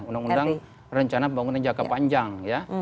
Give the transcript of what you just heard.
undang undang rencana pembangunan jangka panjang ya